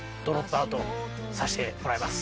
させてもらいます。